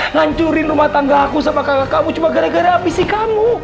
ngancurin rumah tangga aku sama kakak kamu cuma gara gara abisi kamu